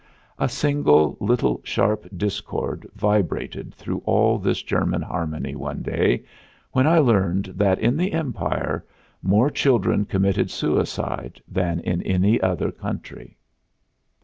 A single little sharp discord vibrated through all this German harmony one day when I learned that in the Empire more children committed suicide than in any other country.